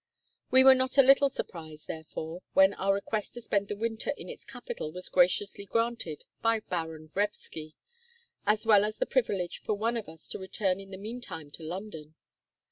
We were not a little surprised, therefore, when our request to spend the winter in its capital was graciously granted by Baron Wrevsky, as well as the privilege for one of us to return in the mean time to London.